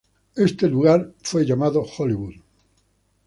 Este lugar fue llamado "Hollywood".